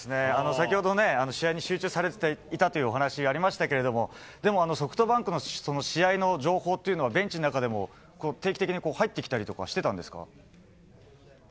先ほどね、試合に集中されていたというお話、ありましたけれども、でも、ソフトバンクの、その試合の情報っていうのは、ベンチの中でも定期的に入ってきたりとかはしてたんですか？